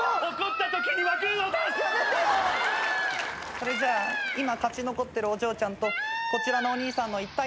それじゃあ今勝ち残ってるお嬢ちゃんとこちらのお兄さんの１対１の対決になります。